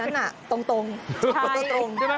อันนั้นน่ะตรงใช่ตรงใช่ไหม